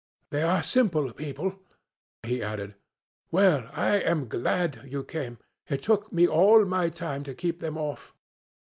'They are simple people,' he added; 'well, I am glad you came. It took me all my time to keep them off.'